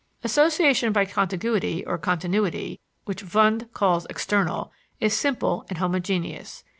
Association by contiguity (or continuity), which Wundt calls external, is simple and homogeneous.